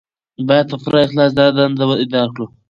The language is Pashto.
باید په پوره اخلاص دا دنده ادا کړو.